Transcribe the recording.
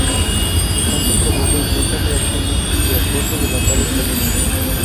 Su canto provoca intensas reacciones de acoso de las aves pequeñas.